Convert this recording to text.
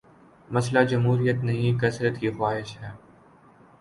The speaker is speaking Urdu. مسئلہ جمہوریت نہیں، کثرت کی خواہش ہے۔